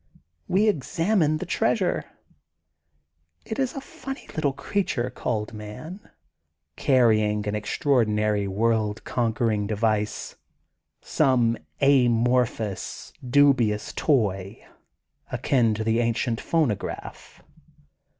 We examine the treasure. It is a funny little creature called *man,' carrying an extraordinary world conquering device, some amorphous, dubious toy, akin to the ancient phonograph.